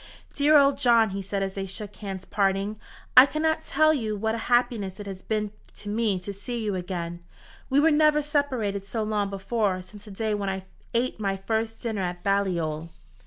"Dear old John," he said, as they shook hands at parting, "I cannot tell you what a happiness it has been to me to see you again. We were never separated so long before since the day when I ate my first dinner at Balliol."